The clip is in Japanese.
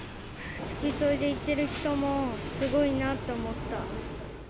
付き添いで行っている人もすごいなと思った。